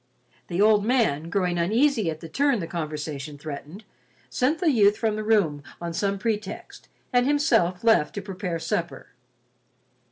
The old man, growing uneasy at the turn the conversation threatened, sent the youth from the room on some pretext, and himself left to prepare supper.